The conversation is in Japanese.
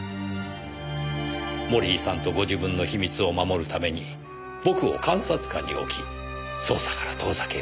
森井さんとご自分の秘密を守るために僕を監察下に置き捜査から遠ざけようとした。